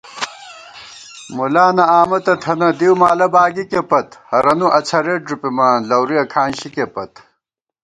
مُلانہ امہ تہ تھنہ ، دِؤ مالہ باگِکے پت * ہرَنُو اڅَھرېت ݫُپِمان لَورُیَہ کھانشِکےپت